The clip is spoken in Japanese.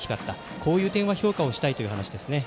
こういう点は評価をしたいという話でした。